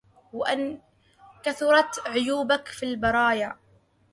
وَإِن كَثُرَت عُيوبُكَ في البَرايا